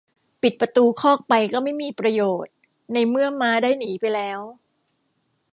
ปิดประตูคอกไปก็ไม่มีประโยชน์ ในเมื่อม้าได้หนีไปแล้ว